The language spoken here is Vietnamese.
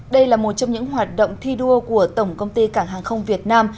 đây là một trong những hoạt động thi đua của tổng công ty cảng hàng không việt nam